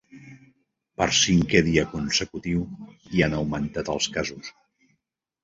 Per cinquè dia consecutiu, hi han augmentat els casos.